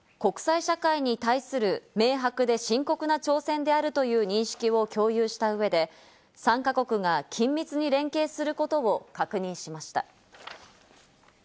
３者は国際社会に対する明白で深刻な挑戦であるという認識を共有した上で、３カ国が緊密に連携することを確認しました。